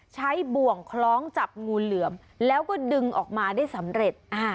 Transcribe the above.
บ่วงคล้องจับงูเหลือมแล้วก็ดึงออกมาได้สำเร็จ